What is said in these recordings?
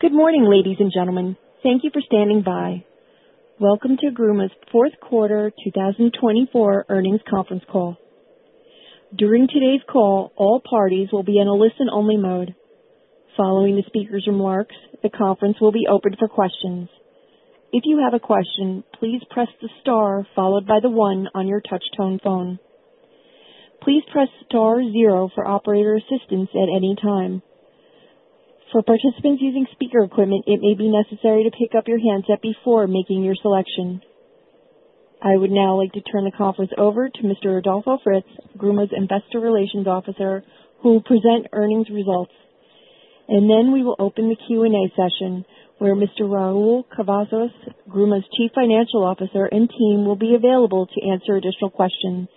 Good morning, ladies and gentlemen. Thank you for standing by. Welcome to Gruma's fourth quarter 2024 earnings conference call. During today's call, all parties will be in a listen-only mode. Following the speaker's remarks, the conference will be open for questions. If you have a question, please press the star followed by the one on your touch-tone phone. Please press star zero for operator assistance at any time. For participants using speaker equipment, it may be necessary to pick up your handset before making your selection. I would now like to turn the conference over to Mr. Adolfo Fritz, Gruma's Investor Relations Officer, who will present earnings results. And then we will open the Q&A session where Mr. Raúl Cavazos, Gruma's Chief Financial Officer and team, will be available to answer additional questions.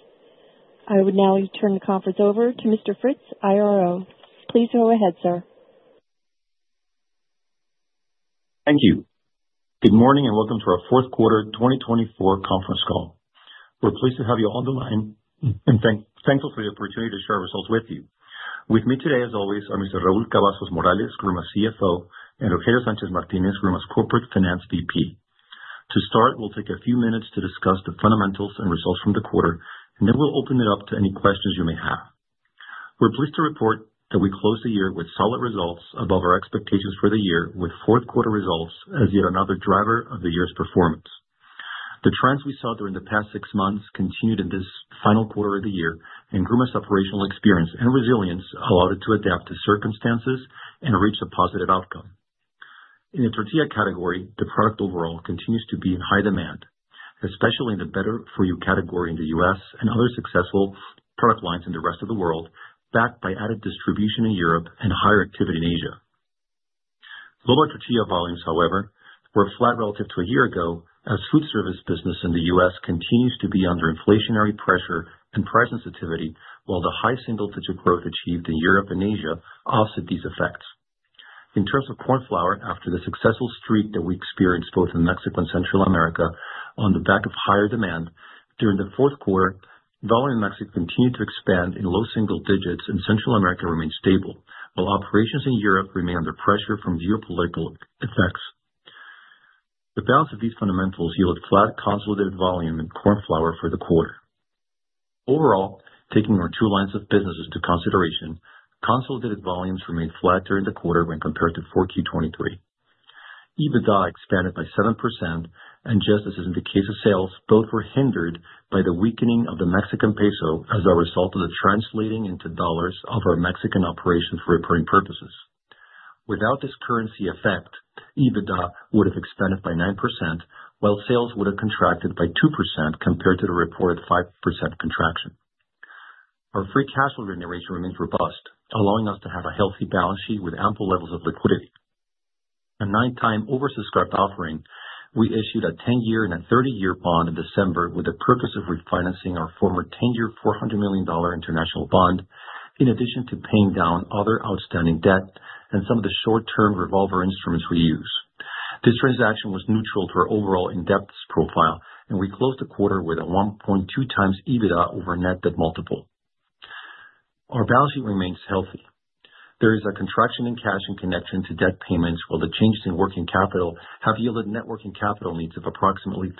I would now like to turn the conference over to Mr. Fritz, IRO. Please go ahead, sir. Thank you. Good morning and welcome to our fourth quarter 2024 conference call. We're pleased to have you on the line and thankful for the opportunity to share our results with you. With me today, as always, are Mr. Raúl Cavazos Morales, Gruma's CFO, and Rogelio Sánchez Martínez, Gruma's Corporate Finance VP. To start, we'll take a few minutes to discuss the fundamentals and results from the quarter, and then we'll open it up to any questions you may have. We're pleased to report that we closed the year with solid results above our expectations for the year, with fourth quarter results as yet another driver of the year's performance. The trends we saw during the past six months continued in this final quarter of the year, and Gruma's operational experience and resilience allowed it to adapt to circumstances and reach a positive outcome. In the tortilla category, the product overall continues to be in high demand, especially in the better-for-you category in the U.S. and other successful product lines in the rest of the world, backed by added distribution in Europe and higher activity in Asia. Global tortilla volumes, however, were flat relative to a year ago as food service business in the U.S. continues to be under inflationary pressure and price sensitivity, while the high single-digit growth achieved in Europe and Asia offset these effects. In terms of corn flour, after the successful streak that we experienced both in Mexico and Central America on the back of higher demand during the fourth quarter, volume in Mexico continued to expand in low single digits, and Central America remained stable, while operations in Europe remained under pressure from geopolitical effects. The balance of these fundamentals yielded flat consolidated volume in corn flour for the quarter. Overall, taking our two lines of businesses into consideration, consolidated volumes remained flat during the quarter when compared to 4Q 2023. EBITDA expanded by 7%, and just as in the case of sales, both were hindered by the weakening of the Mexican peso as a result of the translating into dollars of our Mexican operations for reporting purposes. Without this currency effect, EBITDA would have expanded by 9%, while sales would have contracted by 2% compared to the reported 5% contraction. Our free cash flow generation remains robust, allowing us to have a healthy balance sheet with ample levels of liquidity. A ninth-time oversubscribed offering, we issued a 10-year and a 30-year bond in December with the purpose of refinancing our former 10-year $400 million international bond, in addition to paying down other outstanding debt and some of the short-term revolver instruments we use. This transaction was neutral to our overall indebtedness profile, and we closed the quarter with a 1.2 times EBITDA over net debt multiple. Our balance sheet remains healthy. There is a contraction in cash in connection to debt payments, while the changes in working capital have yielded net working capital needs of approximately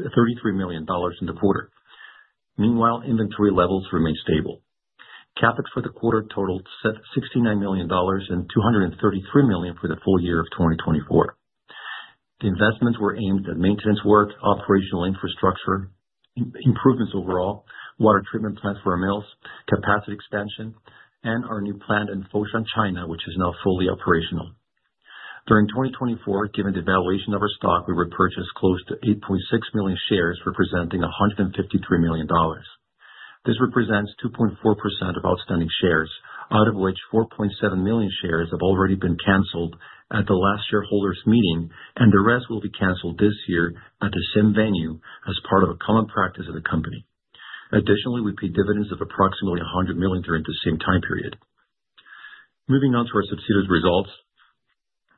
$33 million in the quarter. Meanwhile, inventory levels remain stable. Capex for the quarter totaled $69 million and $233 million for the full year of 2024. The investments were aimed at maintenance work, operational infrastructure improvements overall, water treatment plants for our mills, capacity expansion, and our new plant in Foshan, China, which is now fully operational. During 2024, given the valuation of our stock, we repurchased close to 8.6 million shares, representing $153 million. This represents 2.4% of outstanding shares, out of which 4.7 million shares have already been canceled at the last shareholders' meeting, and the rest will be canceled this year at the same venue as part of a common practice of the company. Additionally, we paid dividends of approximately $100 million during the same time period. Moving on to our subsidiary results.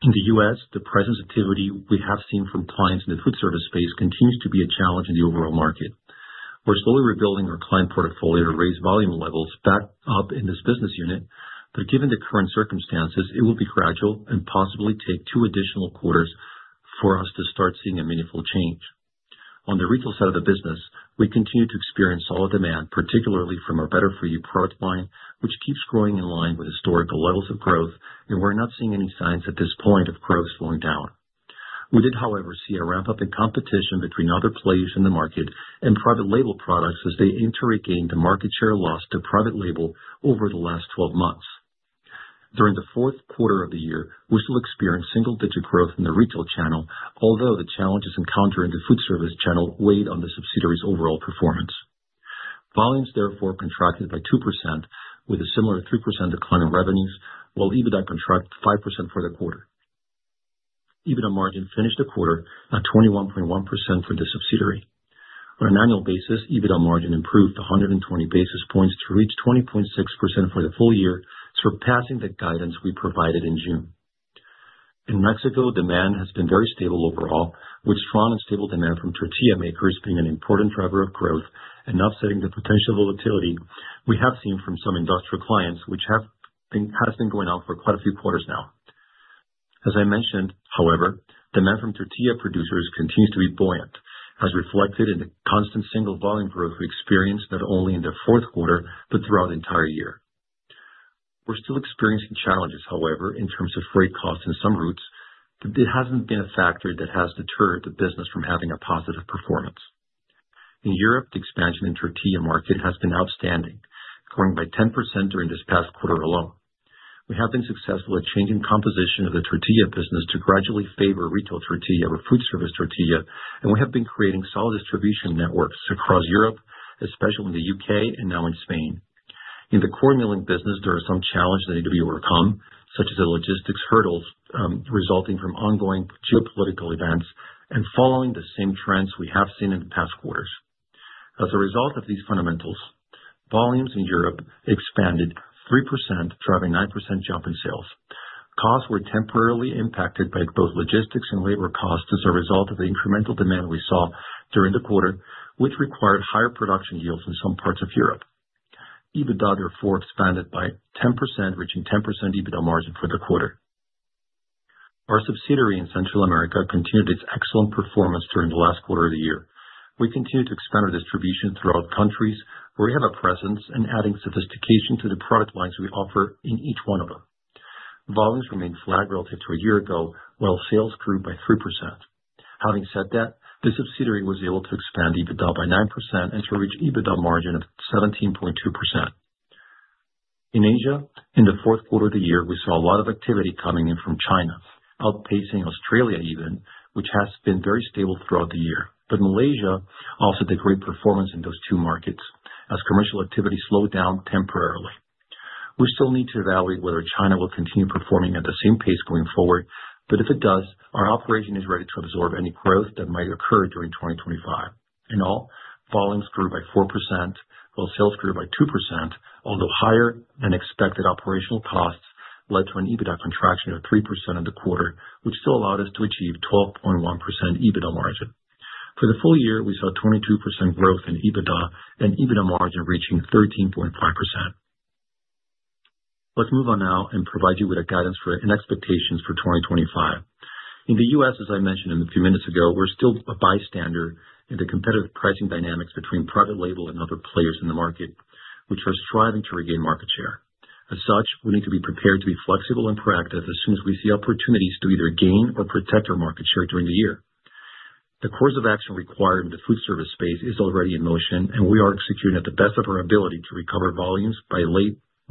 In the U.S., the present activity we have seen from clients in the food service space continues to be a challenge in the overall market. We're slowly rebuilding our client portfolio to raise volume levels back up in this business unit, but given the current circumstances, it will be gradual and possibly take two additional quarters for us to start seeing a meaningful change. On the retail side of the business, we continue to experience solid demand, particularly from our Better-For-You product line, which keeps growing in line with historical levels of growth, and we're not seeing any signs at this point of growth slowing down. We did, however, see a ramp-up in competition between other players in the market and private label products as they aim to regain the market share lost to private label over the last 12 months. During the fourth quarter of the year, we still experienced single-digit growth in the retail channel, although the challenges encountered in the food service channel weighed on the subsidiary's overall performance. Volumes, therefore, contracted by 2%, with a similar 3% decline in revenues, while EBITDA contracted 5% for the quarter. EBITDA margin finished the quarter at 21.1% for the subsidiary. On an annual basis, EBITDA margin improved to 120 basis points to reach 20.6% for the full year, surpassing the guidance we provided in June. In Mexico, demand has been very stable overall, with strong and stable demand from tortilla makers being an important driver of growth and offsetting the potential volatility we have seen from some industrial clients, which has been going on for quite a few quarters now. As I mentioned, however, demand from tortilla producers continues to be buoyant, as reflected in the constant single volume growth we experienced not only in the fourth quarter but throughout the entire year. We're still experiencing challenges, however, in terms of freight costs in some routes, but it hasn't been a factor that has deterred the business from having a positive performance. In Europe, the expansion in the tortilla market has been outstanding, growing by 10% during this past quarter alone. We have been successful at changing composition of the tortilla business to gradually favor retail tortilla or food service tortilla, and we have been creating solid distribution networks across Europe, especially in the U.K. and now in Spain. In the corn milling business, there are some challenges that need to be overcome, such as the logistics hurdles resulting from ongoing geopolitical events and following the same trends we have seen in the past quarters. As a result of these fundamentals, volumes in Europe expanded 3%, driving a 9% jump in sales. Costs were temporarily impacted by both logistics and labor costs as a result of the incremental demand we saw during the quarter, which required higher production yields in some parts of Europe. EBITDA, therefore, expanded by 10%, reaching 10% EBITDA margin for the quarter. Our subsidiary in Central America continued its excellent performance during the last quarter of the year. We continue to expand our distribution throughout countries where we have a presence and adding sophistication to the product lines we offer in each one of them. Volumes remained flat relative to a year ago, while sales grew by 3%. Having said that, the subsidiary was able to expand EBITDA by 9% and to reach EBITDA margin of 17.2%. In Asia, in the fourth quarter of the year, we saw a lot of activity coming in from China, outpacing Australia even, which has been very stable throughout the year. But Malaysia also had a great performance in those two markets, as commercial activity slowed down temporarily. We still need to evaluate whether China will continue performing at the same pace going forward, but if it does, our operation is ready to absorb any growth that might occur during 2025. In all, volumes grew by 4%, while sales grew by 2%, although higher than expected operational costs led to an EBITDA contraction of 3% in the quarter, which still allowed us to achieve 12.1% EBITDA margin. For the full year, we saw 22% growth in EBITDA and EBITDA margin reaching 13.5%. Let's move on now and provide you with guidance and expectations for 2025. In the U.S., as I mentioned a few minutes ago, we're still a bystander in the competitive pricing dynamics between private label and other players in the market, which are striving to regain market share. As such, we need to be prepared to be flexible and proactive as soon as we see opportunities to either gain or protect our market share during the year. The course of action required in the food service space is already in motion, and we are executing at the best of our ability to recover volumes by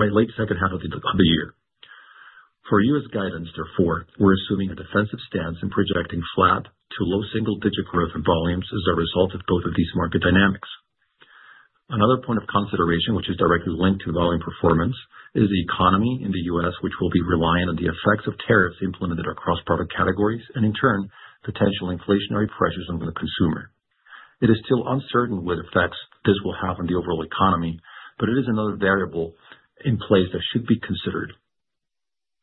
the late second half of the year. For U.S. guidance, therefore, we're assuming a defensive stance and projecting flat to low single-digit growth in volumes as a result of both of these market dynamics. Another point of consideration, which is directly linked to volume performance, is the economy in the U.S., which will be reliant on the effects of tariffs implemented across product categories and, in turn, potential inflationary pressures on the consumer. It is still uncertain what effects this will have on the overall economy, but it is another variable in place that should be considered.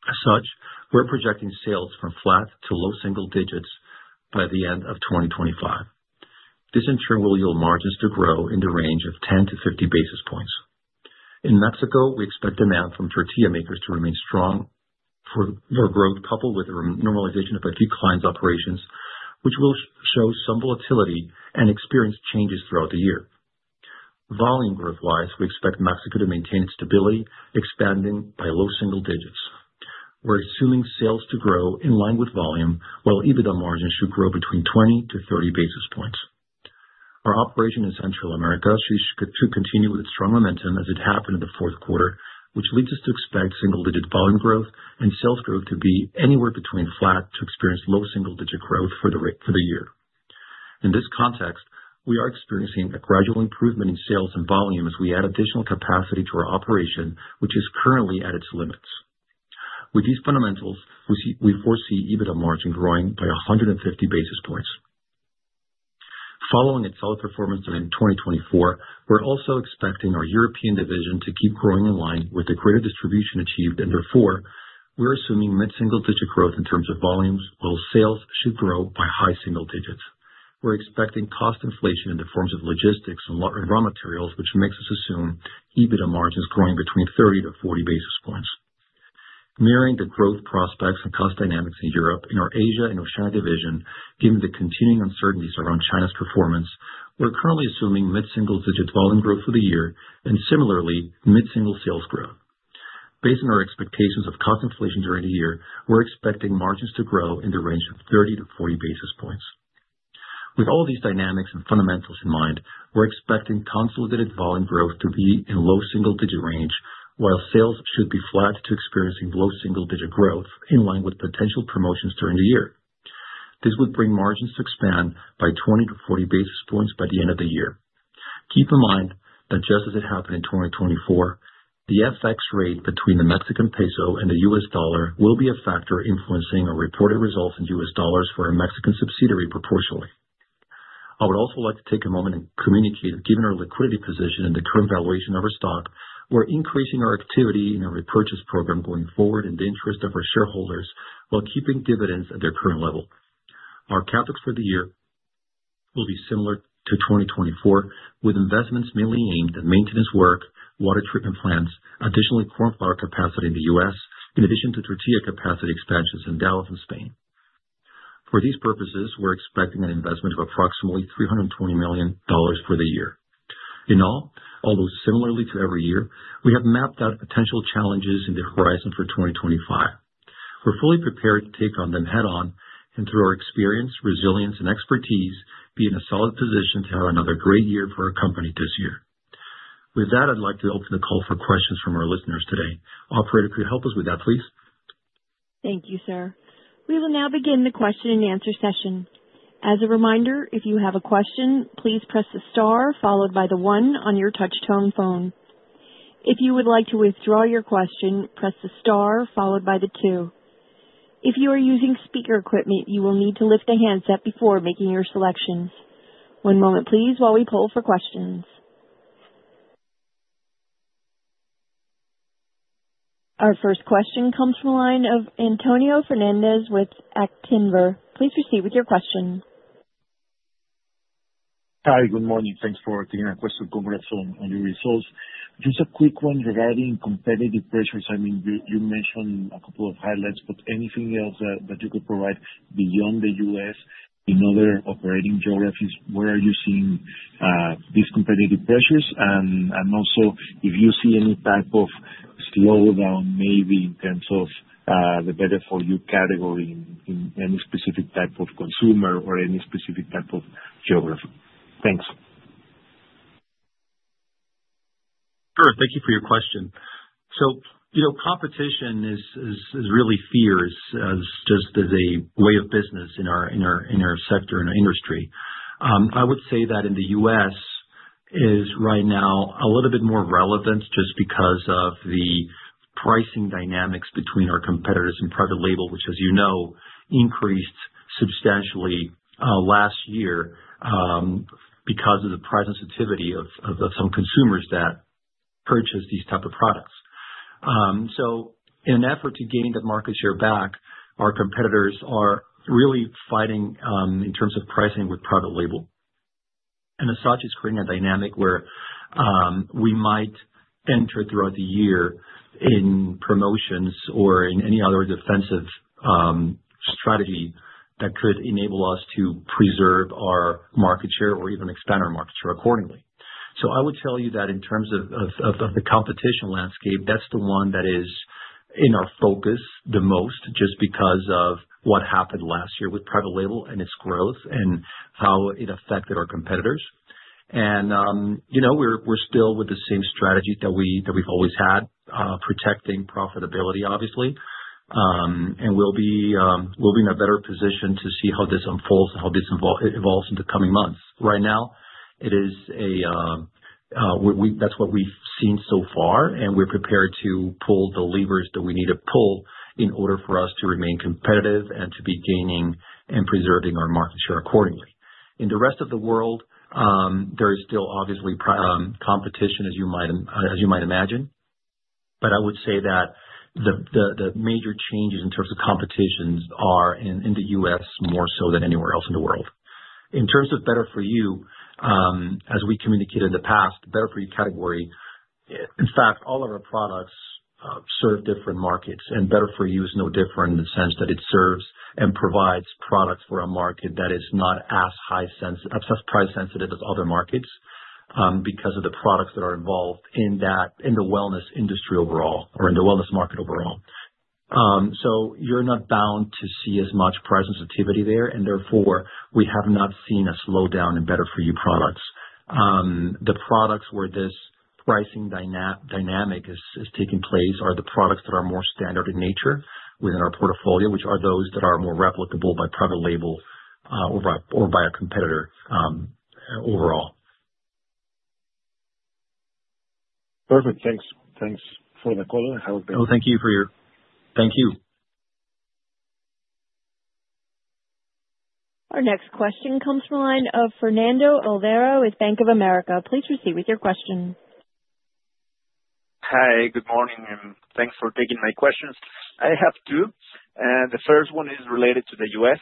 As such, we're projecting sales from flat to low single digits by the end of 2025. This, in turn, will yield margins to grow in the range of 10-50 basis points. In Mexico, we expect demand from tortilla makers to remain strong for growth, coupled with a normalization of a few clients' operations, which will show some volatility and experience changes throughout the year. Volume growth-wise, we expect Mexico to maintain its stability, expanding by low single digits. We're assuming sales to grow in line with volume, while EBITDA margins should grow between 20-30 basis points. Our operation in Central America should continue with its strong momentum as it happened in the fourth quarter, which leads us to expect single-digit volume growth and sales growth to be anywhere between flat to experience low single-digit growth for the year. In this context, we are experiencing a gradual improvement in sales and volume as we add additional capacity to our operation, which is currently at its limits. With these fundamentals, we foresee EBITDA margin growing by 150 basis points. Following its solid performance in 2024, we're also expecting our European division to keep growing in line with the greater distribution achieved, and therefore, we're assuming mid-single-digit growth in terms of volumes, while sales should grow by high single digits. We're expecting cost inflation in the forms of logistics and raw materials, which makes us assume EBITDA margins growing between 30-40 basis points. Mirroring the growth prospects and cost dynamics in Europe in our Asia and Oceania division, given the continuing uncertainties around China's performance, we're currently assuming mid-single-digit volume growth for the year and similarly mid-single sales growth. Based on our expectations of cost inflation during the year, we're expecting margins to grow in the range of 30-40 basis points. With all these dynamics and fundamentals in mind, we're expecting consolidated volume growth to be in low single-digit range, while sales should be flat to experiencing low single-digit growth in line with potential promotions during the year. This would bring margins to expand by 20-40 basis points by the end of the year. Keep in mind that just as it happened in 2024, the FX rate between the Mexican peso and the US dollar will be a factor influencing our reported results in US dollars for our Mexican subsidiary proportionally. I would also like to take a moment and communicate that given our liquidity position and the current valuation of our stock, we're increasing our activity in our repurchase program going forward in the interest of our shareholders while keeping dividends at their current level. Our Capex for the year will be similar to 2024, with investments mainly aimed at maintenance work, water treatment plants, additionally corn flour capacity in the US, in addition to tortilla capacity expansions in Dallas and Spain. For these purposes, we're expecting an investment of approximately $320 million for the year. In all, although similarly to every year, we have mapped out potential challenges in the horizon for 2025. We're fully prepared to take on them head-on and, through our experience, resilience, and expertise, be in a solid position to have another great year for our company this year. With that, I'd like to open the call for questions from our listeners today. Operator, could you help us with that, please? Thank you, sir. We will now begin the question-and-answer session. As a reminder, if you have a question, please press the star followed by the one on your touch-tone phone. If you would like to withdraw your question, press the star followed by the two. If you are using speaker equipment, you will need to lift a handset before making your selection. One moment, please, while we pull for questions. Our first question comes from a line of Antonio Fernández with Activner. Please proceed with your question. Hi, good morning. Thanks for taking our question from a few resources. Just a quick one regarding competitive pressures. I mean, you mentioned a couple of highlights, but anything else that you could provide beyond the U.S. in other operating geographies? Where are you seeing these competitive pressures? And also, if you see any type of slowdown, maybe in terms of the better-for-you category in any specific type of consumer or any specific type of geography. Thanks. Sure. Thank you for your question. So competition is really fierce. It's just as a way of business in our sector and our industry. I would say that in the U.S., it is right now a little bit more relevant just because of the pricing dynamics between our competitors and private label, which, as you know, increased substantially last year because of the price sensitivity of some consumers that purchase these types of products. In an effort to gain that market share back, our competitors are really fighting in terms of pricing with private label. And as such, it's creating a dynamic where we might enter throughout the year in promotions or in any other defensive strategy that could enable us to preserve our market share or even expand our market share accordingly. I would tell you that in terms of the competition landscape, that's the one that is in our focus the most just because of what happened last year with private label and its growth and how it affected our competitors. We're still with the same strategy that we've always had, protecting profitability, obviously. We'll be in a better position to see how this unfolds and how this evolves in the coming months. Right now, it is, that's what we've seen so far, and we're prepared to pull the levers that we need to pull in order for us to remain competitive and to be gaining and preserving our market share accordingly. In the rest of the world, there is still obviously competition, as you might imagine, but I would say that the major changes in terms of competition are in the U.S. more so than anywhere else in the world. In terms of better-for-you, as we communicated in the past, the better-for-you category, in fact, all of our products serve different markets, and better-for-you is no different in the sense that it serves and provides products for a market that is not as price-sensitive as other markets because of the products that are involved in the wellness industry overall or in the wellness market overall. So you're not bound to see as much price sensitivity there, and therefore, we have not seen a slowdown in better-for-you products. The products where this pricing dynamic is taking place are the products that are more standard in nature within our portfolio, which are those that are more replicable by private label or by a competitor overall. Perfect. Thanks for the call. Have a good one. Oh, thank you for your thank you. Our next question comes from a line of Fernando Olvera with Bank of America. Please proceed with your question. Hi, good morning, and thanks for taking my questions. I have two. The first one is related to the U.S.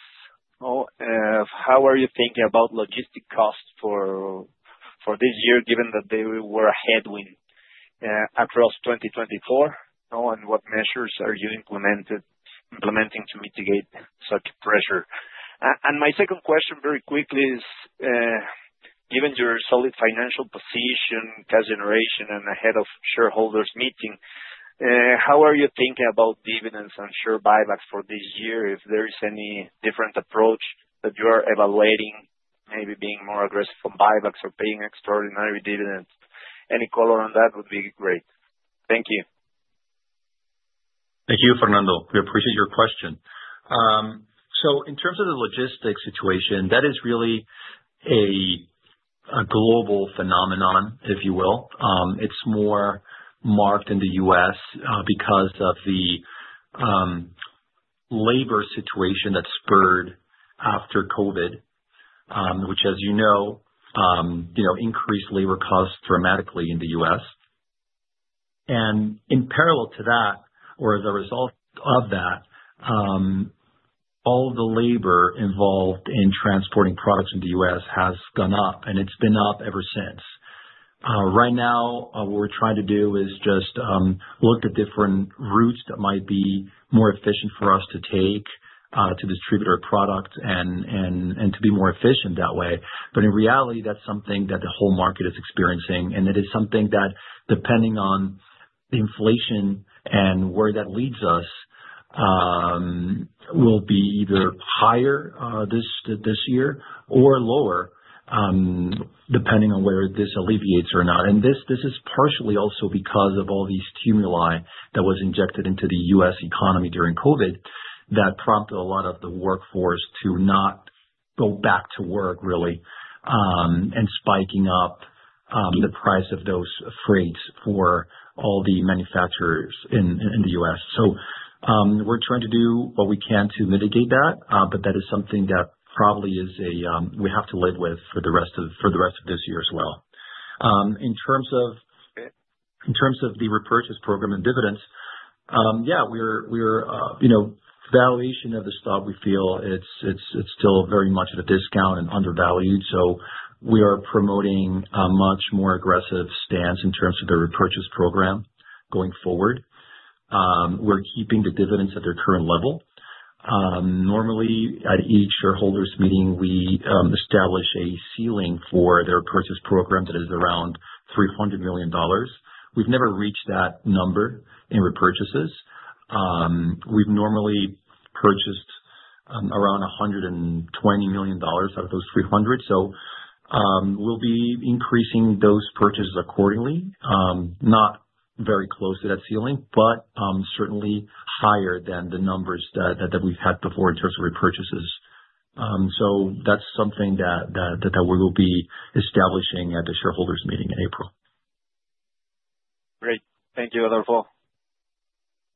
How are you thinking about logistics costs for this year given that they were a headwind across 2024? And what measures are you implementing to mitigate such pressure? And my second question, very quickly, is given your solid financial position, cash generation, and ahead of shareholders' meeting, how are you thinking about dividends and share buybacks for this year? If there is any different approach that you are evaluating, maybe being more aggressive on buybacks or paying extraordinary dividends, any color on that would be great. Thank you. Thank you, Fernando. We appreciate your question. So in terms of the logistics situation, that is really a global phenomenon, if you will. It's more marked in the U.S. because of the labor situation that surged after COVID, which, as you know, increased labor costs dramatically in the U.S. And in parallel to that, or as a result of that, all the labor involved in transporting products in the U.S. has gone up, and it's been up ever since. Right now, what we're trying to do is just look at different routes that might be more efficient for us to take to distribute our products and to be more efficient that way. But in reality, that's something that the whole market is experiencing, and it is something that, depending on the inflation and where that leads us, will be either higher this year or lower depending on whether this alleviates or not. And this is partially also because of all these stimuli that were injected into the U.S. economy during COVID that prompted a lot of the workforce to not go back to work, really, and spiking up the price of those freights for all the manufacturers in the U.S. So we're trying to do what we can to mitigate that, but that is something that probably is. We have to live with for the rest of this year as well. In terms of the repurchase program and dividends, yeah, our valuation of the stock, we feel it's still very much at a discount and undervalued. So we are promoting a much more aggressive stance in terms of the repurchase program going forward. We're keeping the dividends at their current level. Normally, at each shareholders meeting, we establish a ceiling for their purchase program that is around $300 million. We've never reached that number in repurchases. We've normally purchased around $120 million out of those $300 million. So we'll be increasing those purchases accordingly, not very close to that ceiling, but certainly higher than the numbers that we've had before in terms of repurchases. So that's something that we will be establishing at the shareholders meeting in April. Great. Thank you, Adolfo.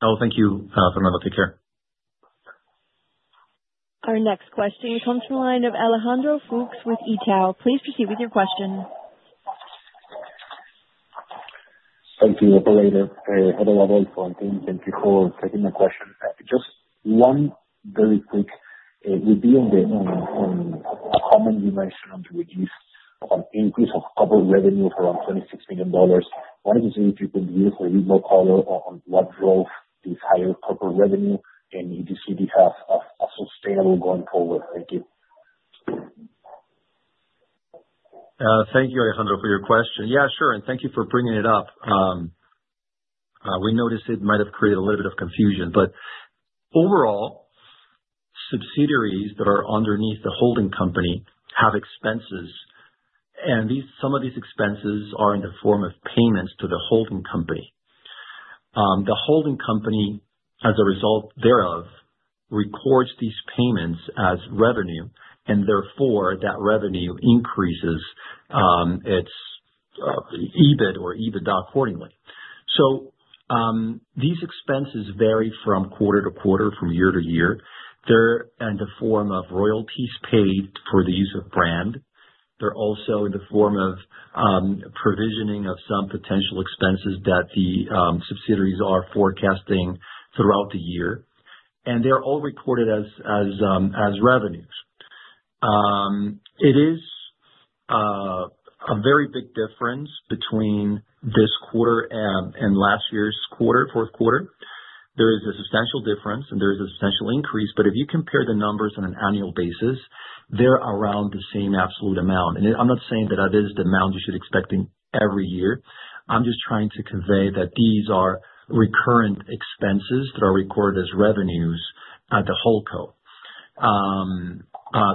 Oh, thank you, Fernando. Take care. Our next question comes from a line of Alejandro Fuchs with Itaú BBA. Please proceed with your question. Thank you. Hello there. Hello everyone. Thank you for taking my question. Just one very quick. With the holding company on the release of an increase of corporate revenue for around $26 million, what do you think you could use a little more color on what drove this higher corporate revenue and if you see this as sustainable going forward? Thank you. Thank you, Alejandro, for your question. Yeah, sure. And thank you for bringing it up. We noticed it might have created a little bit of confusion, but overall, subsidiaries that are underneath the holding company have expenses, and some of these expenses are in the form of payments to the holding company. The holding company, as a result thereof, records these payments as revenue, and therefore, that revenue increases its EBIT or EBITDA accordingly. So these expenses vary from quarter to quarter, from year to year. They're in the form of royalties paid for the use of brand. They're also in the form of provisioning of some potential expenses that the subsidiaries are forecasting throughout the year, and they're all reported as revenues. It is a very big difference between this quarter and last year's quarter, fourth quarter. There is a substantial difference, and there is a substantial increase, but if you compare the numbers on an annual basis, they're around the same absolute amount. I'm not saying that that is the amount you should expect every year. I'm just trying to convey that these are recurrent expenses that are recorded as revenues at the holding co.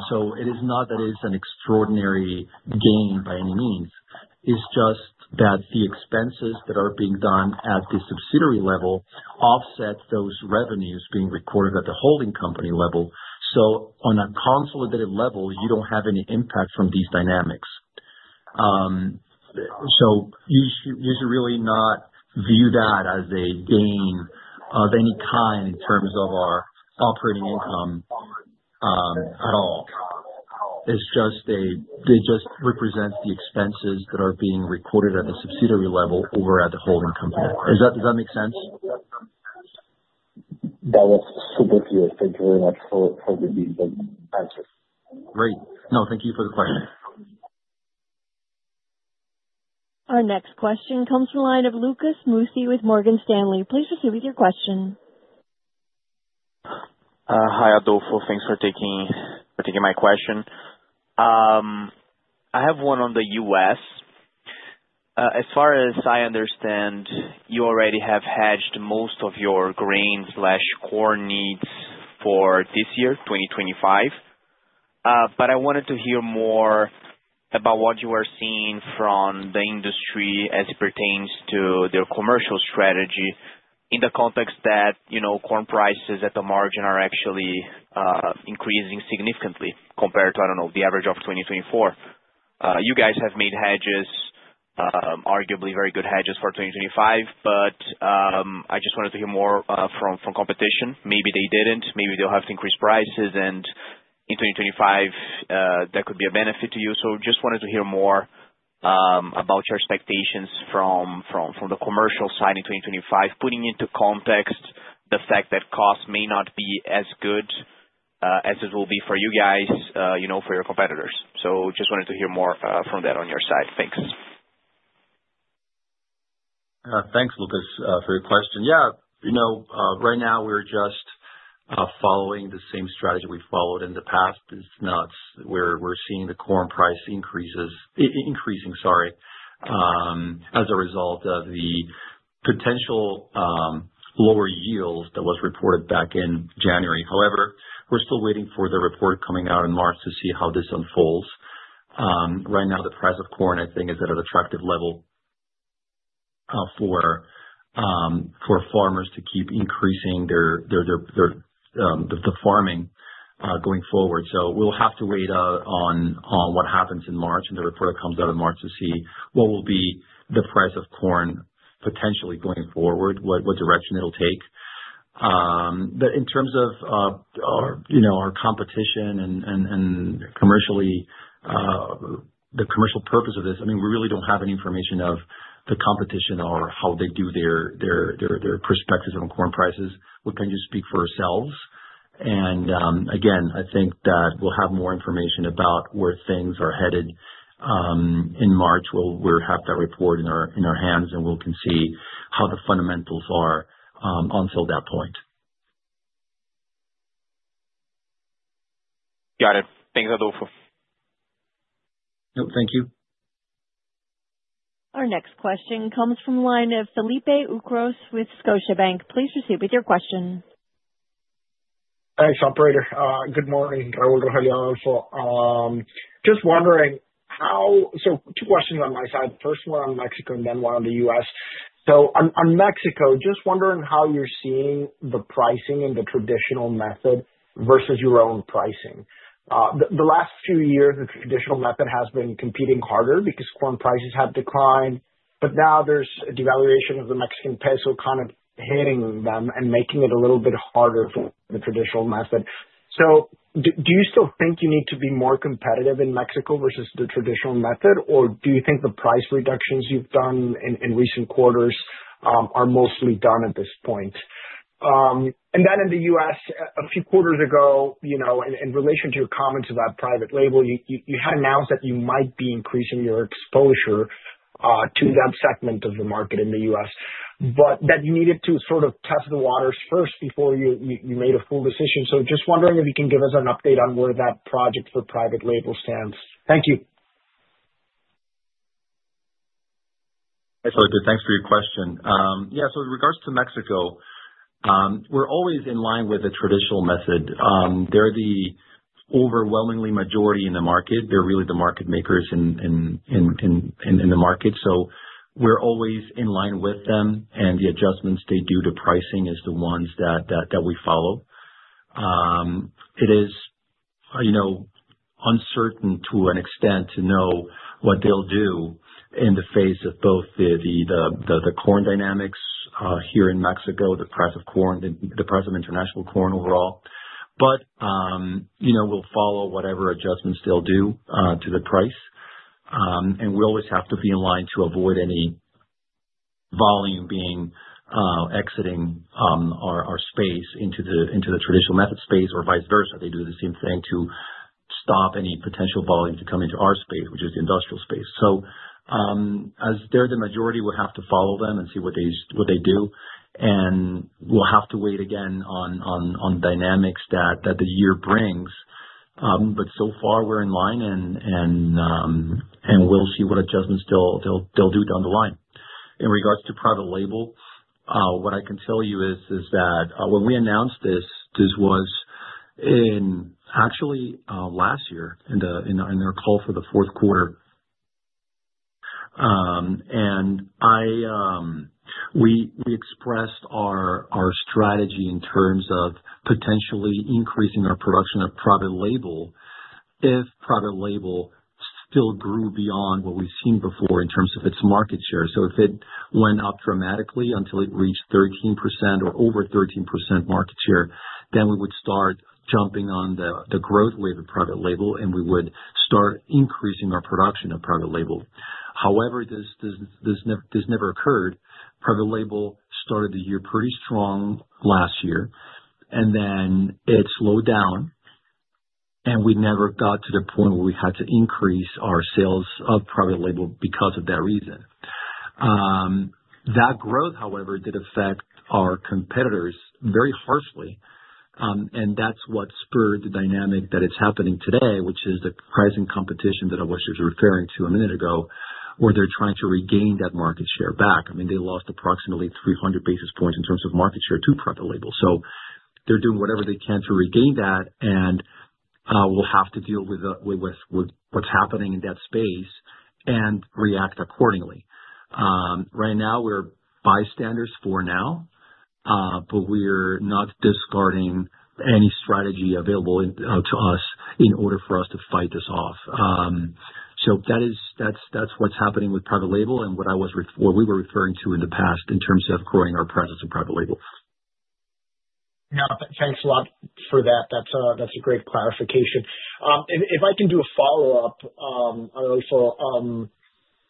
So it is not that it's an extraordinary gain by any means. It's just that the expenses that are being done at the subsidiary level offset those revenues being recorded at the holding company level. So on a consolidated level, you don't have any impact from these dynamics. So you should really not view that as a gain of any kind in terms of our operating income at all. It just represents the expenses that are being recorded at the subsidiary level over at the holding company. Does that make sense? That was super clear. Thank you very much for the answer. Great. No, thank you for the question. Our next question comes from a line of Lucas Mussi with Morgan Stanley. Please proceed with your question. Hi, Adolfo. Thanks for taking my question. I have one on the US. As far as I understand, you already have hedged most of your grain/corn needs for this year, 2025. But I wanted to hear more about what you are seeing from the industry as it pertains to their commercial strategy in the context that corn prices at the margin are actually increasing significantly compared to, I don't know, the average of 2024. You guys have made hedges, arguably very good hedges for 2025, but I just wanted to hear more from competition. Maybe they didn't. Maybe they'll have to increase prices, and in 2025, that could be a benefit to you. Just wanted to hear more about your expectations from the commercial side in 2025, putting into context the fact that costs may not be as good as it will be for you guys, for your competitors. Just wanted to hear more from that on your side. Thanks. Thanks, Lucas, for your question. Yeah. Right now, we're just following the same strategy we followed in the past. We're seeing the corn price increasing, sorry, as a result of the potential lower yields that were reported back in January. However, we're still waiting for the report coming out in March to see how this unfolds. Right now, the price of corn, I think, is at an attractive level for farmers to keep increasing the farming going forward. So we'll have to wait on what happens in March and the report that comes out in March to see what will be the price of corn potentially going forward, what direction it'll take. But in terms of our competition and the commercial purpose of this, I mean, we really don't have any information of the competition or how they do their perspectives on corn prices. We can just speak for ourselves. And again, I think that we'll have more information about where things are headed in March. We'll have that report in our hands, and we'll see how the fundamentals are until that point. Got it. Thanks, Adolfo. No, thank you. Our next question comes from a line of Felipe Ucros with Scotiabank. Please proceed with your question. Thanks, Operator. Good morning. Raúl, Rogelio, Adolfo. Just wondering, so two questions on my side. First, one on Mexico, and then one on the U.S.. So on Mexico, just wondering how you're seeing the pricing and the traditional method versus your own pricing. The last few years, the traditional method has been competing harder because corn prices have declined, but now there's a devaluation of the Mexican peso kind of hitting them and making it a little bit harder for the traditional method. So do you still think you need to be more competitive in Mexico versus the traditional method, or do you think the price reductions you've done in recent quarters are mostly done at this point? And then in the U.S., a few quarters ago, in relation to your comments about private label, you had announced that you might be increasing your exposure to that segment of the market in the U.S., but that you needed to sort of test the waters first before you made a full decision. So just wondering if you can give us an update on where that project for private label stands. Thank you. Thanks for your question. Yeah. So in regards to Mexico, we're always in line with the traditional method. They're the overwhelming majority in the market. They're really the market makers in the market. So we're always in line with them, and the adjustments they do to pricing are the ones that we follow. It is uncertain to an extent to know what they'll do in the face of both the corn dynamics here in Mexico, the price of corn, the price of international corn overall, but we'll follow whatever adjustments they'll do to the price, and we always have to be in line to avoid any volume exiting our space into the traditional method space or vice versa. They do the same thing to stop any potential volume to come into our space, which is the industrial space, so they're the majority, we have to follow them and see what they do, and we'll have to wait again on dynamics that the year brings, but so far, we're in line, and we'll see what adjustments they'll do down the line. In regards to private label, what I can tell you is that when we announced this, this was actually last year in our call for the fourth quarter, and we expressed our strategy in terms of potentially increasing our production of private label if private label still grew beyond what we've seen before in terms of its market share, so if it went up dramatically until it reached 13% or over 13% market share, then we would start jumping on the growth wave of private label, and we would start increasing our production of private label. However, this never occurred. Private label started the year pretty strong last year, and then it slowed down, and we never got to the point where we had to increase our sales of private label because of that reason. That growth, however, did affect our competitors very harshly, and that's what spurred the dynamic that is happening today, which is the pricing competition that I was just referring to a minute ago, where they're trying to regain that market share back. I mean, they lost approximately 300 basis points in terms of market share to private label. So they're doing whatever they can to regain that, and we'll have to deal with what's happening in that space and react accordingly. Right now, we're bystanders for now, but we're not discarding any strategy available to us in order for us to fight this off. So that's what's happening with private label and what we were referring to in the past in terms of growing our presence of private label. Yeah. Thanks a lot for that. That's a great clarification. If I can do a follow-up, Adolfo,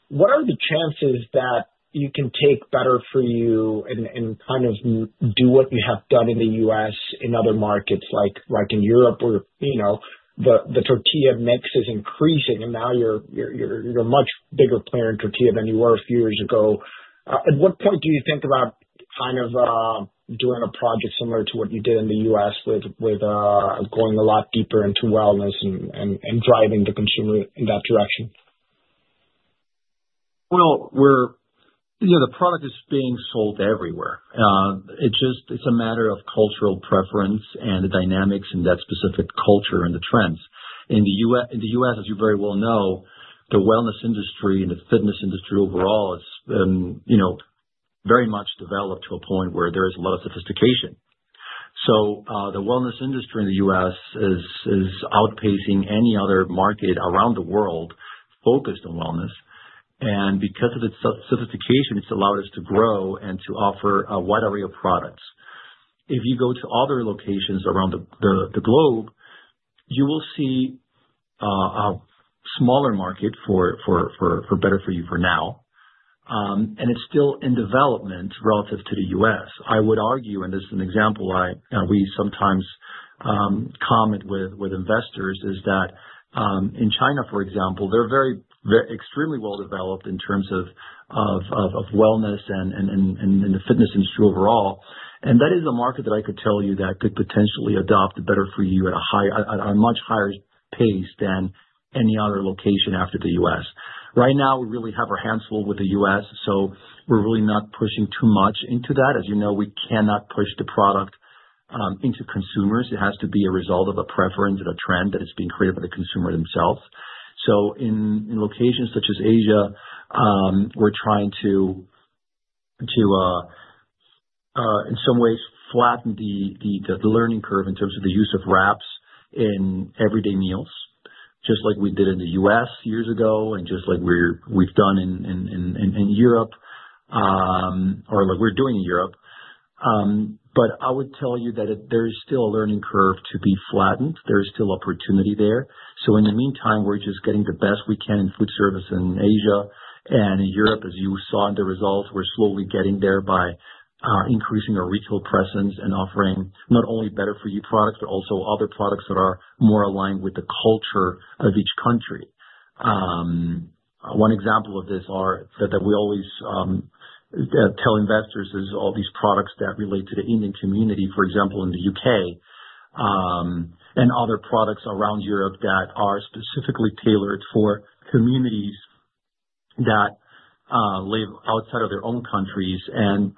what are the chances that you can take better for you and kind of do what you have done in the U.S. in other markets like in Europe where the tortilla mix is increasing, and now you're a much bigger player in tortilla than you were a few years ago? At what point do you think about kind of doing a project similar to what you did in the U.S. with going a lot deeper into wellness and driving the consumer in that direction? Well, the product is being sold everywhere. It's a matter of cultural preference and the dynamics in that specific culture and the trends. In the U.S., as you very well know, the wellness industry and the fitness industry overall is very much developed to a point where there is a lot of sophistication. The wellness industry in the U.S. is outpacing any other market around the world focused on wellness. Because of its sophistication, it's allowed us to grow and to offer a wide array of products. If you go to other locations around the globe, you will see a smaller market for better-for-you for now, and it's still in development relative to the U.S.. I would argue, and this is an example we sometimes comment with investors, is that in China, for example, they're extremely well developed in terms of wellness and the fitness industry overall. That is a market that I could tell you that could potentially adopt a better-for-you at a much higher pace than any other location after the U.S. Right now, we really have our hands full with the U.S., so we're really not pushing too much into that. As you know, we cannot push the product into consumers. It has to be a result of a preference and a trend that is being created by the consumer themselves. So in locations such as Asia, we're trying to, in some ways, flatten the learning curve in terms of the use of wraps in everyday meals, just like we did in the U.S. years ago and just like we've done in Europe or we're doing in Europe. But I would tell you that there is still a learning curve to be flattened. There is still opportunity there. So in the meantime, we're just getting the best we can in food service in Asia and in Europe, as you saw in the results. We're slowly getting there by increasing our retail presence and offering not only better for you products, but also other products that are more aligned with the culture of each country. One example of this that we always tell investors is all these products that relate to the Indian community, for example, in the U.K., and other products around Europe that are specifically tailored for communities that live outside of their own countries and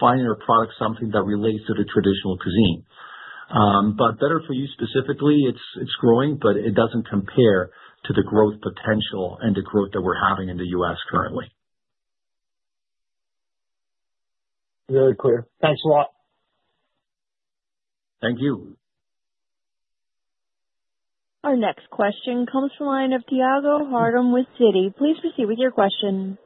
finding a product, something that relates to the traditional cuisine. But better for you specifically, it's growing, but it doesn't compare to the growth potential and the growth that we're having in the U.S. currently. Very clear. Thanks a lot. Thank you. Our next question comes from a line of Tiago Harduim with Citi. Please proceed with your question.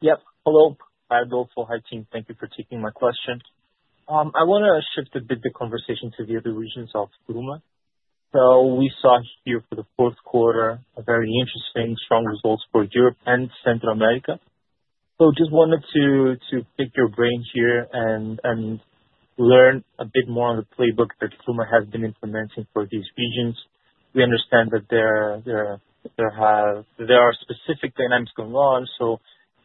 Yep. Hello. Hi, Adolfo. Hi, team. Thank you for taking my question. I want to shift a bit the conversation to the other regions of Gruma. So we saw here for the fourth quarter very interesting, strong results for Europe and Central America. So just wanted to pick your brain here and learn a bit more on the playbook that Gruma has been implementing for these regions. We understand that there are specific dynamics going on. So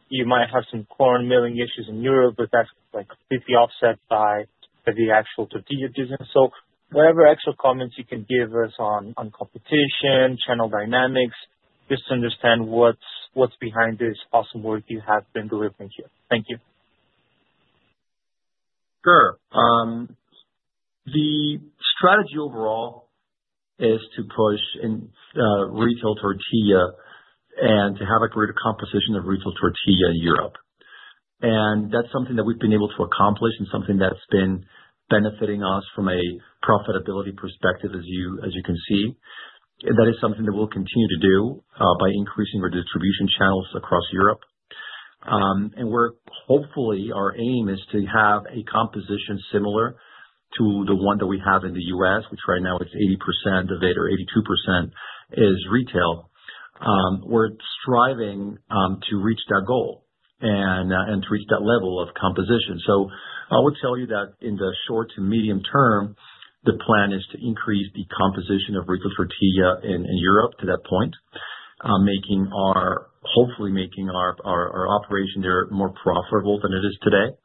you might have some corn milling issues in Europe, but that's completely offset by the actual tortilla business. So whatever extra comments you can give us on competition, channel dynamics, just to understand what's behind this awesome work you have been delivering here. Thank you. Sure. The strategy overall is to push retail tortilla and to have a greater composition of retail tortilla in Europe. That's something that we've been able to accomplish and something that's been benefiting us from a profitability perspective, as you can see. That is something that we'll continue to do by increasing our distribution channels across Europe. Hopefully, our aim is to have a composition similar to the one that we have in the U.S., which right now is 80% of it or 82% is retail. We're striving to reach that goal and to reach that level of composition. I would tell you that in the short to medium term, the plan is to increase the composition of retail tortilla in Europe to that point, hopefully making our operation there more profitable than it is today,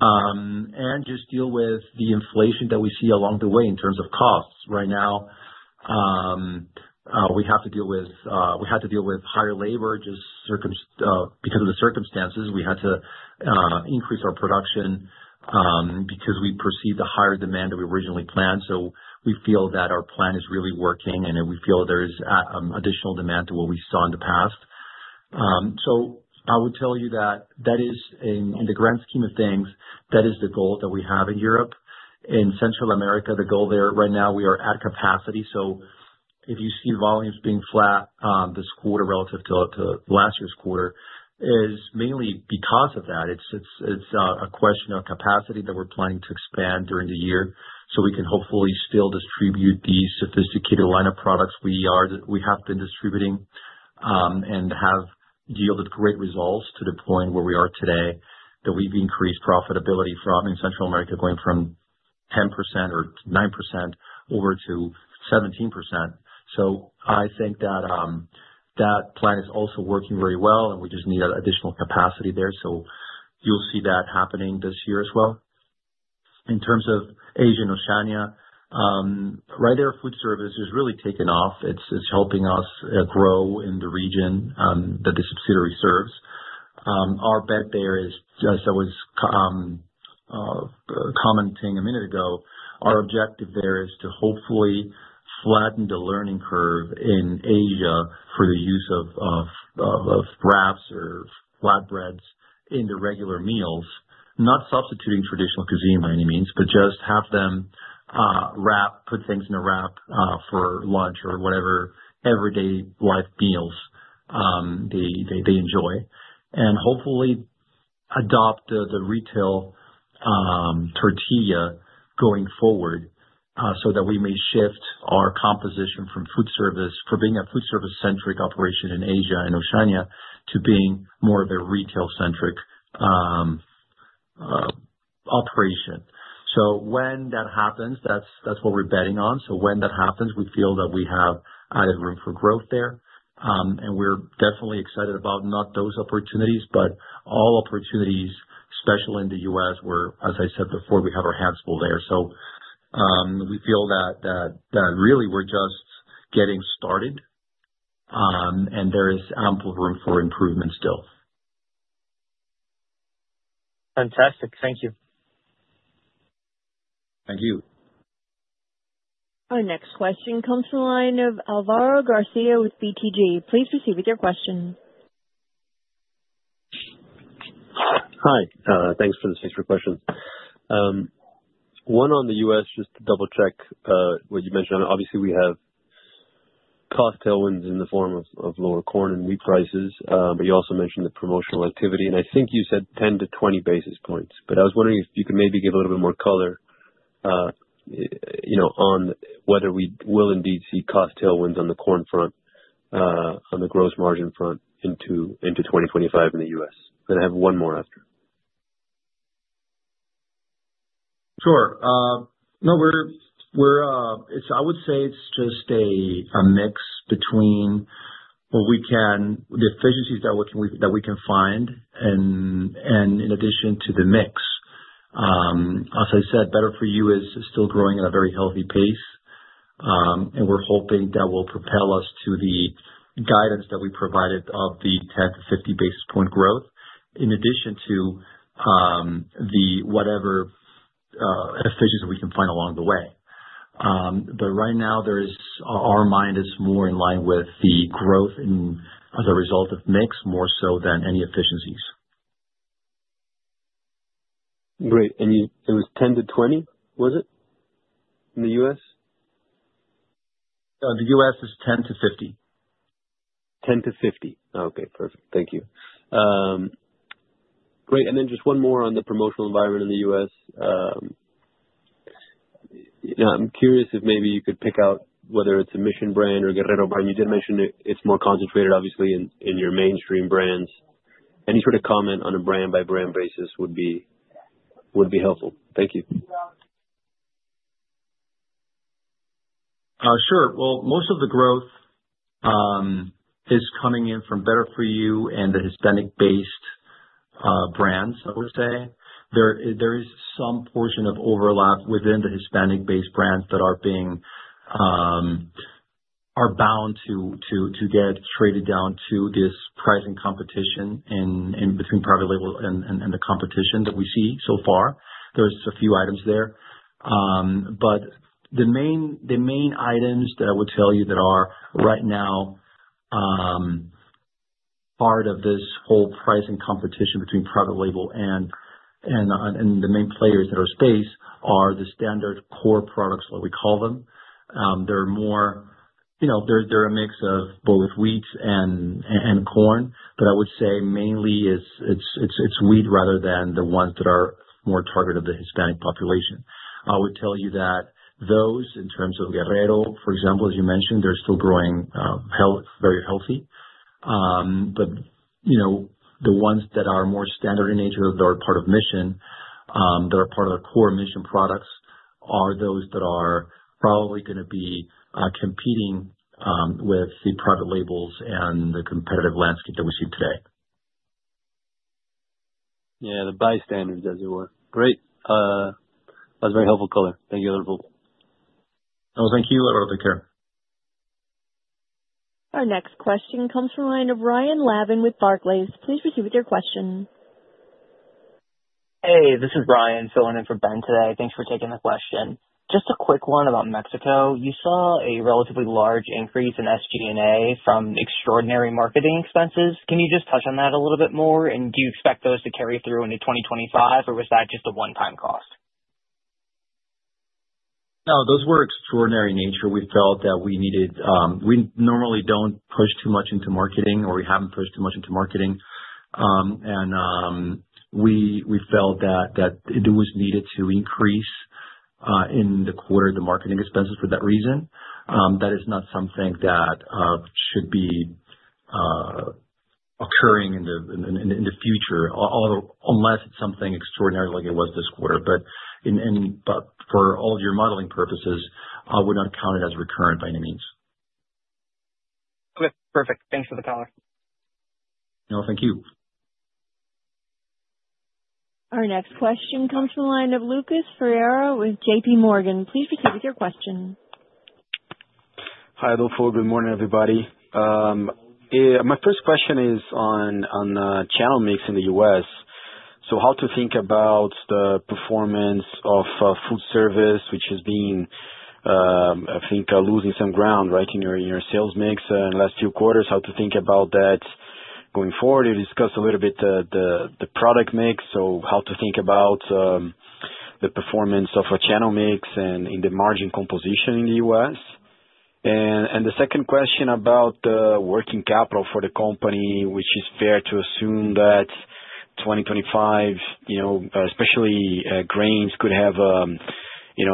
and just deal with the inflation that we see along the way in terms of costs. Right now, we had to deal with higher labor just because of the circumstances. We had to increase our production because we perceived the higher demand that we originally planned. We feel that our plan is really working, and we feel there is additional demand to what we saw in the past, so I would tell you that in the grand scheme of things, that is the goal that we have in Europe. In Central America, the goal there right now, we are at capacity. If you see volumes being flat this quarter relative to last year's quarter, it's mainly because of that. It's a question of capacity that we're planning to expand during the year so we can hopefully still distribute the sophisticated line of products we have been distributing and have yielded great results to the point where we are today that we've increased profitability from in Central America going from 10% or 9% over to 17%. So I think that that plan is also working very well, and we just need additional capacity there. So you'll see that happening this year as well. In terms of Asia and Oceania, right there, food service has really taken off. It's helping us grow in the region that the subsidiary serves. Our bet there is, as I was commenting a minute ago, our objective there is to hopefully flatten the learning curve in Asia for the use of wraps or flatbreads in the regular meals, not substituting traditional cuisine by any means, but just have them wrap, put things in a wrap for lunch or whatever everyday life meals they enjoy, and hopefully adopt the retail tortilla going forward so that we may shift our composition from food service for being a food service-centric operation in Asia and Oceania to being more of a retail-centric operation. So when that happens, that's what we're betting on. So when that happens, we feel that we have added room for growth there. And we're definitely excited about not those opportunities, but all opportunities, especially in the U.S., where, as I said before, we have our hands full there. So we feel that really we're just getting started, and there is ample room for improvement still. Fantastic. Thank you. Thank you. Our next question comes from a line of Alvaro Garcia with BTG. Please proceed with your question. Hi. Thanks for the question. One on the U.S., just to double-check what you mentioned. Obviously, we have tailwinds in the form of lower corn and wheat prices, but you also mentioned the promotional activity. And I think you said 10-20 basis points, but I was wondering if you could maybe give a little bit more color on whether we will indeed see tailwinds on the corn front, on the gross margin front into 2025 in the U.S. Then I have one more after. Sure. No, I would say it's just a mix between what we can, the efficiencies that we can find, and in addition to the mix. As I said, better for you is still growing at a very healthy pace, and we're hoping that will propel us to the guidance that we provided of the 10-50 basis point growth in addition to the whatever efficiencies we can find along the way. But right now, our mind is more in line with the growth as a result of mix more so than any efficiencies. Great. And it was 10 to 20, was it, in the U.S.? The U.S. is 10 to 50. 10 to 50. Okay. Perfect. Thank you. Great. And then just one more on the promotional environment in the U.S. I'm curious if maybe you could pick out whether it's a Mission brand or Guerrero brand. You did mention it's more concentrated, obviously, in your mainstream brands. Any sort of comment on a brand-by-brand basis would be helpful. Thank you. Sure. Well, most of the growth is coming in from better for you and the Hispanic-based brands, I would say. There is some portion of overlap within the Hispanic-based brands that are bound to get traded down to this pricing competition between private label and the competition that we see so far. There's a few items there. But the main items that I would tell you that are right now part of this whole pricing competition between private label and the main players in our space are the standard core products, what we call them. They're more a mix of both wheat and corn, but I would say mainly it's wheat rather than the ones that are more targeted to the Hispanic population. I would tell you that those, in terms of Guerrero, for example, as you mentioned, they're still growing very healthy. But the ones that are more standard in nature, that are part of Mission, that are part of the core Mission products, are those that are probably going to be competing with the private labels and the competitive landscape that we see today. Yeah. The bystanders, as it were. Great. That was very helpful, Colin. Thank you, Adolfo. Well, thank you. Have a great day. Our next question comes from a line of Ryan Lavin with Barclays. Please proceed with your question. Hey, this is Brian filling in for Ryan today. Thanks for taking the question. Just a quick one about Mexico. You saw a relatively large increase in SG&A from extraordinary marketing expenses. Can you just touch on that a little bit more? And do you expect those to carry through into 2025, or was that just a one-time cost? No, those were extraordinary in nature. We felt that we needed. We normally don't push too much into marketing, or we haven't pushed too much into marketing. And we felt that it was needed to increase in the quarter the marketing expenses for that reason. That is not something that should be occurring in the future, unless it's something extraordinary like it was this quarter. But for all of your modeling purposes, I would not count it as recurrent by any means. Okay. Perfect. Thanks for the call. No, thank you. Our next question comes from a line of Lucas Ferreira with JPMorgan. Please proceed with your question. Hi, Adolfo. Good morning, everybody. My first question is on channel mix in the U.S. So how to think about the performance of food service, which has been, I think, losing some ground, right, in your sales mix in the last few quarters? How to think about that going forward? You discussed a little bit the product mix. So how to think about the performance of a channel mix and the margin composition in the U.S.? And the second question about the working capital for the company, which is fair to assume that 2025, especially grains, could have a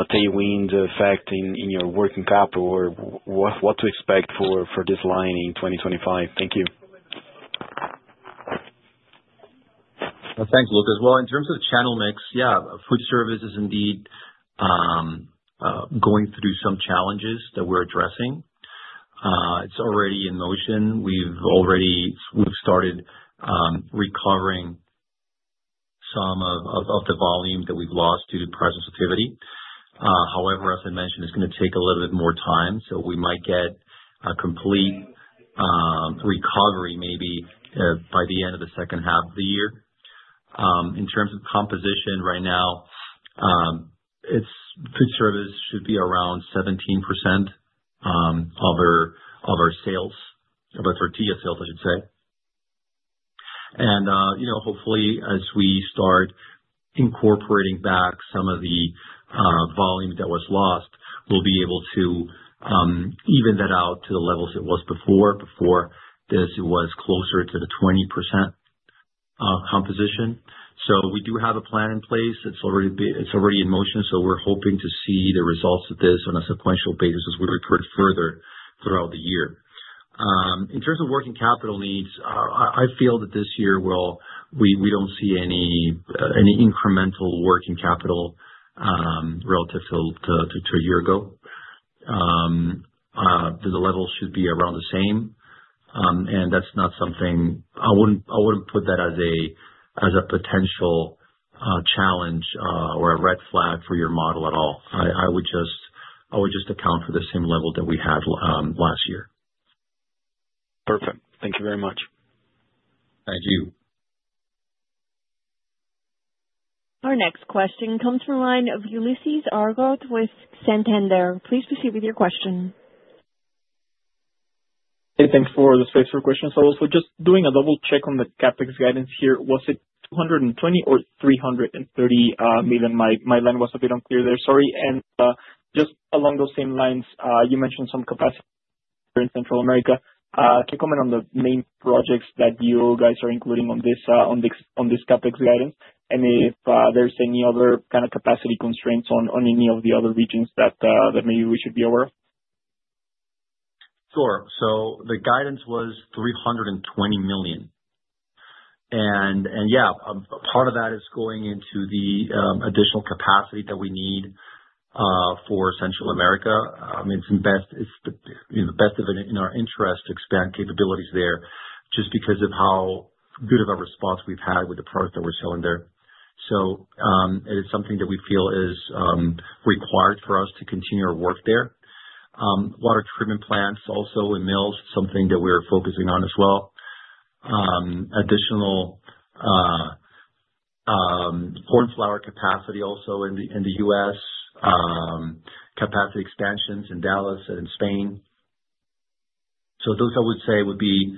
tailwind effect in your working capital, or what to expect for this line in 2025? Thank you. Thanks, Lucas. Well, in terms of the channel mix, yeah, food service is indeed going through some challenges that we're addressing. It's already in motion. We've started recovering some of the volume that we've lost due to price sensitivity. However, as I mentioned, it's going to take a little bit more time. So we might get a complete recovery maybe by the end of the second half of the year. In terms of composition, right now, food service should be around 17% of our sales, of our tortilla sales, I should say. And hopefully, as we start incorporating back some of the volume that was lost, we'll be able to even that out to the levels it was before. Before this, it was closer to the 20% composition. So we do have a plan in place. It's already in motion. So we're hoping to see the results of this on a sequential basis as we recoup further throughout the year. In terms of working capital needs, I feel that this year we don't see any incremental working capital relative to a year ago. The level should be around the same. And that's not something I wouldn't put that as a potential challenge or a red flag for your model at all. I would just account for the same level that we had last year. Perfect. Thank you very much. Thank you. Our next question comes from a line of Ulises Argote with Santander. Please proceed with your question. Hey, thanks for the space for questions. So just doing a double-check on the CapEx guidance here. Was it $220 million or $330 million? My line was a bit unclear there. Sorry. And just along those same lines, you mentioned some capacity in Central America. Can you comment on the main projects that you guys are including on this CapEx guidance? And if there's any other kind of capacity constraints on any of the other regions that maybe we should be aware of? Sure. So the guidance was $320 million. And yeah, part of that is going into the additional capacity that we need for Central America. It's the best of our interest to expand capabilities there just because of how good of a response we've had with the product that we're selling there. So it is something that we feel is required for us to continue our work there. Water treatment plants also in mills is something that we're focusing on as well. Additional corn flour capacity also in the U.S., capacity expansions in Dallas and in Spain. So those I would say would be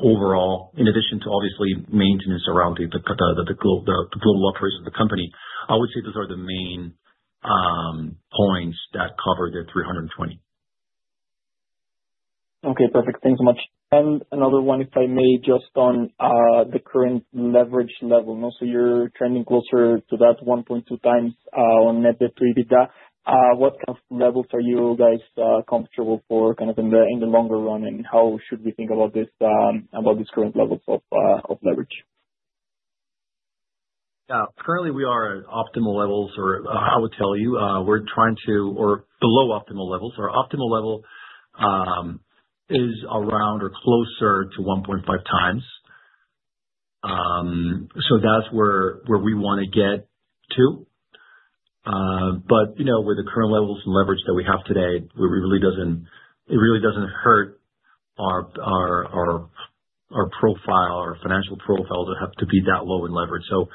overall, in addition to obviously maintenance around the global operations of the company. I would say those are the main points that cover the $320 million. Okay. Perfect. Thanks so much. And another one, if I may, just on the current leverage level. So you're trending closer to that 1.2 times on net debt per EBITDA. What kind of levels are you guys comfortable for kind of in the longer run? And how should we think about these current levels of leverage? Currently, we are at optimal levels, or I would tell you we're trying to or below optimal levels. Our optimal level is around or closer to 1.5 times. So that's where we want to get to. But with the current levels and leverage that we have today, it really doesn't hurt our profile, our financial profile to have to be that low in leverage. So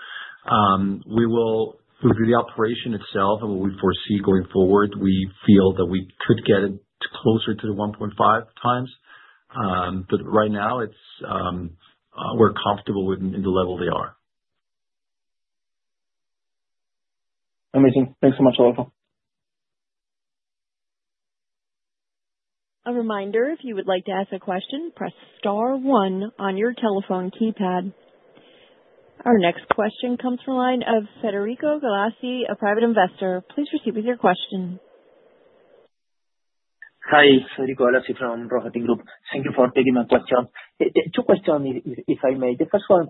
through the operation itself and what we foresee going forward, we feel that we could get it closer to the 1.5 times. But right now, we're comfortable with the level they are. Amazing. Thanks so much, Adolfo. A reminder, if you would like to ask a question, press star one on your telephone keypad. Our next question comes from a line of Federico Galassi, a private investor. Please proceed with your question. Hi, Federico Galassi from Rohatyn Group. Thank you for taking my question. Two questions, if I may. The first one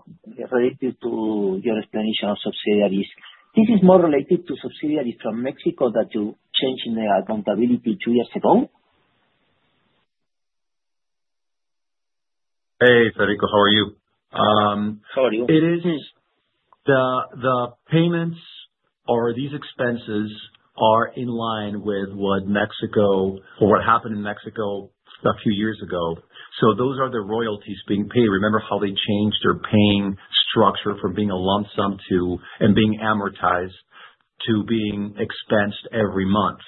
related to your explanation of subsidiaries. This is more related to subsidiaries from Mexico that you changed in their accountability two years ago. Hey, Federico, how are you? How are you? It is the payments or these expenses are in line with what happened in Mexico a few years ago. So those are the royalties being paid. Remember how they changed their payment structure from being a lump sum and being amortized to being expensed every month?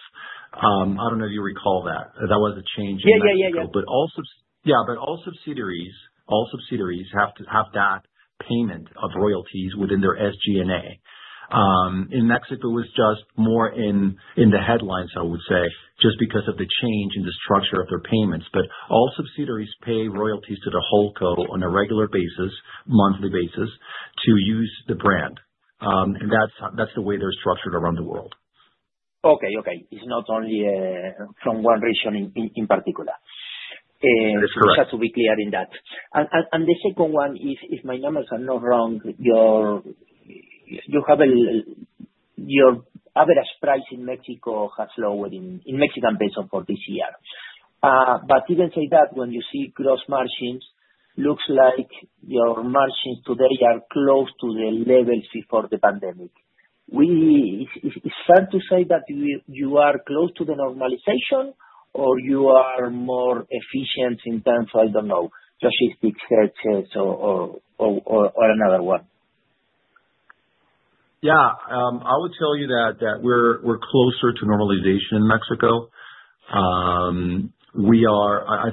I don't know if you recall that. That was a change in Mexico. Yeah, yeah, yeah, but yeah, but all subsidiaries have that payment of royalties within their SG&A. In Mexico, it was just more in the headlines, I would say, just because of the change in the structure of their payments, but all subsidiaries pay royalties to the holdco. on a regular basis, monthly basis, to use the brand, and that's the way they're structured around the world. Okay, okay. It's not only from one region in particular. That's correct. Just to be clear in that, and the second one is, if my numbers are not wrong, your average price in Mexico has lowered in Mexican peso for this year, but even say that when you see gross margins, looks like your margins today are close to the levels before the pandemic. It's hard to say that you are close to the normalization or you are more efficient in terms of, I don't know, logistics, HS, or another one. Yeah. I would tell you that we're closer to normalization in Mexico. I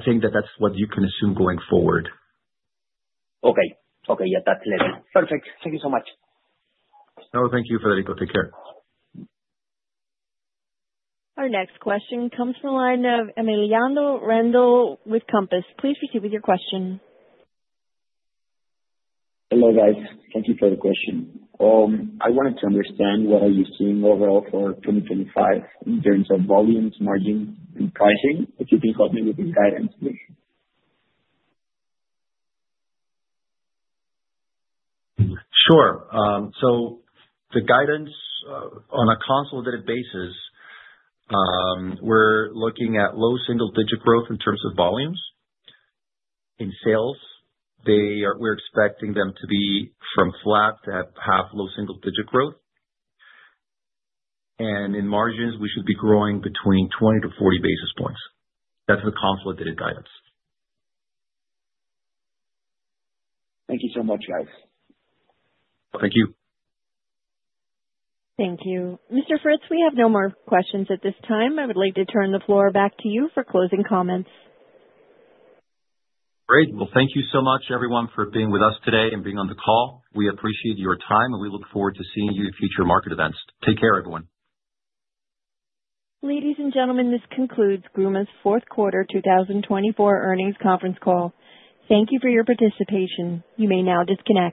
think that that's what you can assume going forward. Okay. Okay. Yeah, that's clear. Perfect. Thank you so much. No, thank you, Federico. Take care. Our next question comes from a line of Emiliano Rangel with Compass. Please proceed with your question. Hello, guys. Thank you for the question. I wanted to understand what are you seeing overall for 2025 in terms of volumes, margins, and pricing. If you can help me with this guidance, please. Sure. So the guidance on a consolidated basis, we're looking at low single-digit growth in terms of volumes. In sales, we're expecting them to be from flat to have low single-digit growth. In margins, we should be growing between 20-40 basis points. That's the consolidated guidance. Thank you so much, guys. Thank you. Thank you. Mr. Fritz, we have no more questions at this time. I would like to turn the floor back to you for closing comments. Great. Thank you so much, everyone, for being with us today and being on the call. We appreciate your time, and we look forward to seeing you at future market events. Take care, everyone. Ladies and gentlemen, this concludes Gruma's fourth quarter 2024 earnings conference call. Thank you for your participation. You may now disconnect.